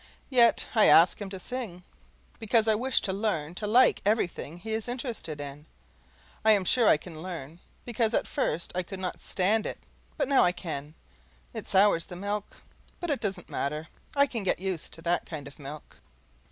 Yet I ask him to sing, because I wish to learn to like everything he is interested in. I am sure I can learn, because at first I could not stand it, but now I can. It sours the milk, but it doesn't matter; I can get used to that kind of milk.